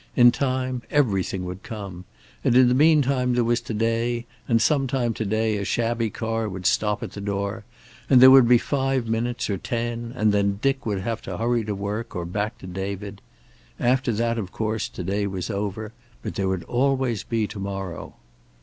In time, everything would come. And in the meantime there was to day, and some time to day a shabby car would stop at the door, and there would be five minutes, or ten. And then Dick would have to hurry to work, or back to David. After that, of course, to day was over, but there would always be to morrow.